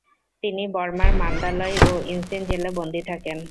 তিনি বর্মার মান্দালয় ও ইনসিন জেলে বন্দী থাকেন।